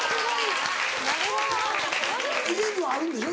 家にはあるんでしょ